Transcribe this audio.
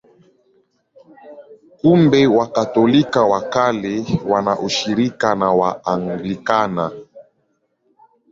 Kumbe Wakatoliki wa Kale wana ushirika na Waanglikana.